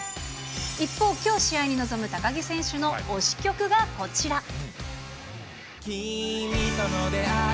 一方、きょう試合に臨む高木選手の推し曲がこちら。